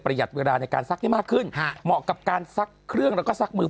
หัดเวลาในการซักได้มากขึ้นเหมาะกับการซักเครื่องแล้วก็ซักมือ